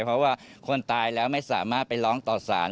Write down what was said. เพราะว่าคนตายแล้วไม่สามารถไปร้องต่อสาร